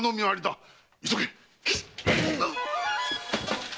急げ！